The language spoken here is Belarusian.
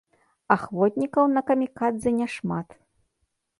Ахвотнікаў на камікадзэ няшмат.